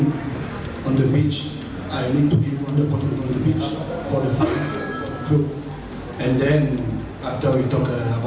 dan kemudian setelah kita berbicara tentang kontrak jika saya berada di pangkalan